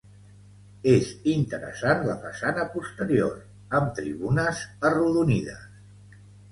És interessant la façana posterior, amb tribunes arrodonides.